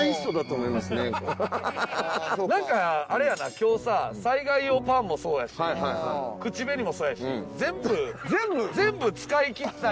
今日さ災害用パンもそうやし口紅もそうやし全部全部使いきったり。